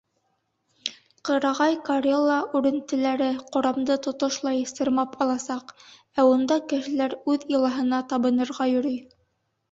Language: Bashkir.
Ҡырағай карела үрентеләре ҡорамды тотошлай сырмап аласаҡ, ә унда кешеләр үҙ илаһына табынырға йөрөй.